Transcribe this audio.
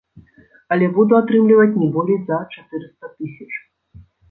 Але буду атрымліваць не болей за чатырыста тысяч.